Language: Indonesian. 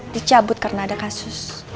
dicabut karena ada kasus